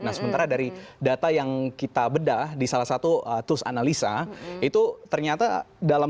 nah sementara dari data yang kita bedah di salah satu tools analisa itu ternyata dalam